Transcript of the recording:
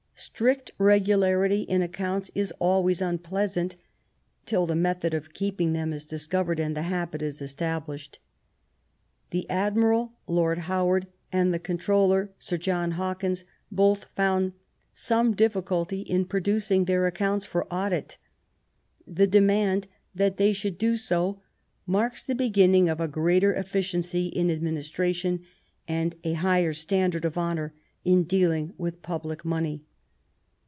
Strict regularity in accounts is always unpleasant, till the method of keeping them is dis covered and the habit is established. The Admiral Lord Howard, and the Controller Sir John Hawkins, both found some difficulty in producing their ac counts for audit. The demand that they should do so marks the beginning of greater efficiency in administration, and a higher standard of honour in dealing with public money.